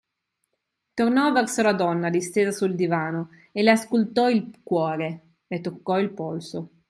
Tornò verso la donna distesa sul divano e le auscultò il cuore, le toccò il polso.